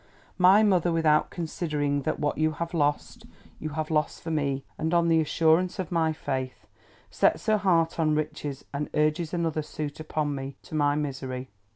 My mother: without considering that what you have lost, you have lost for me, and on the assurance of my faith: sets her heart on riches, and urges another suit upon me, to my misery.